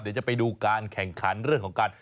เดี๋ยวจะไปดูการแข่งขันเรื่องของการ